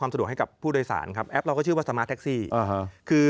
แอปพลิเคชัย์นี้คือ